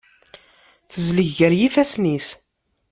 Tezleg ger ifassen-is.